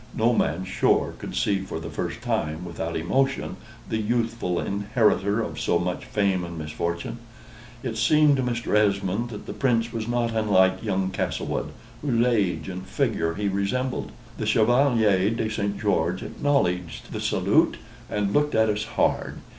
No man, sure, could see for the first time, without emotion, the youthful inheritor of so much fame and misfortune. It seemed to Mr. Esmond that the Prince was not unlike young Castlewood, whose age and figure he resembled. The Chevalier de St. George acknowledged the salute, and looked at us hard.